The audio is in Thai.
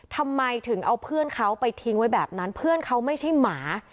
ทำไมถึงเอาเพื่อนเขาไปทิ้งไว้แบบนั้นเพื่อนเขาไม่ใช่หมา